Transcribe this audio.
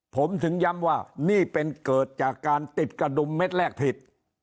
ผมถึงย้ำว่านี่เป็นเกิดจากการติดกระดุมเม็ดแรกผิด